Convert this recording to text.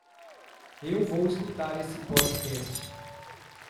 Eu vou escutar esse podcast.